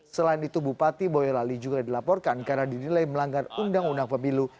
selain itu bupati boyolali juga dilaporkan karena dinilai melanggar undang undang pemilu